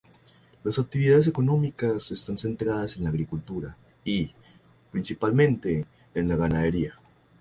Las actividades económicas están centradas en la agricultura y, principalmente, en la ganadería.